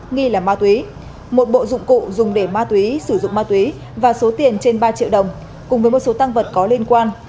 nghi là ma túy một bộ dụng cụ dùng để ma túy sử dụng ma túy và số tiền trên ba triệu đồng cùng với một số tăng vật có liên quan